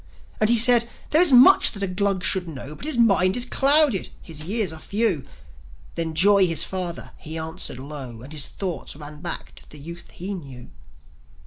And he said, "There is much that a Glug should know; But his mind is clouded, his years are few." Then joi, the father, he answered low As his thoughts ran back to the youth he knew.